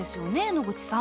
野口さん。